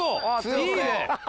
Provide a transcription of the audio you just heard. いいね！